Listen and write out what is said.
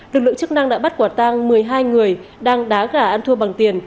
lực lượng chức năng đã bắt quả tang một mươi hai người đang đá gà ăn thua bằng tiền